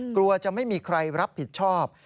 กลัวจะไม่มีใครรับผิดชอบ